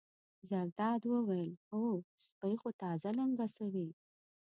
زرداد وویل: هو سپۍ خو تازه لنګه شوې.